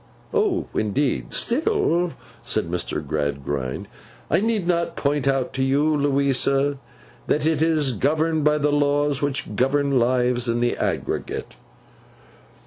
'O indeed? Still,' said Mr. Gradgrind, 'I need not point out to you, Louisa, that it is governed by the laws which govern lives in the aggregate.